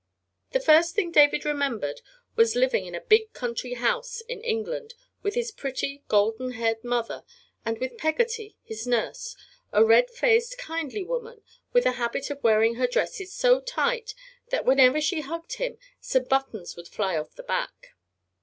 The first thing David remembered was living in a big country house in England with his pretty, golden haired mother and with Peggotty, his nurse, a red faced, kindly woman, with a habit of wearing her dresses so tight that whenever she hugged him some buttons would fly off the back.